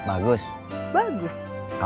sekarang pergi sambil upgrade saja